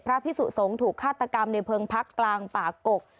พิสุสงฆ์ถูกฆาตกรรมในเพิงพักกลางป่ากก